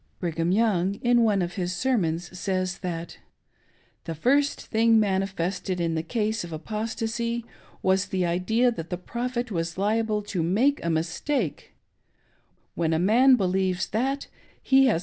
Brigham Young, in one of his sermons, says that: "The first thing manifested in the case of apostacy was the idea that the Prophet Was liable to make a mistake : when a man believes that, he has.